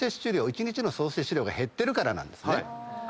一日の総摂取量が減ってるからなんですね。